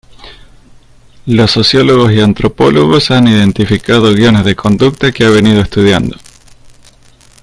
Los sociólogos y antropólogos han identificado guiones de conducta que ha venido estudiando.